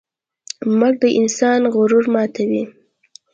مرګ د انسان غرور ماتوي.